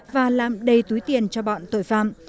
và làm đầy túi tiền cho bọn tội phạm